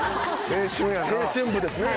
青春部ですね。